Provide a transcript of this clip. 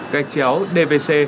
gạch chéo dvc